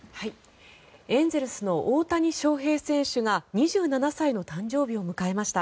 エンゼルスの大谷翔平選手が２７歳の誕生日を迎えました。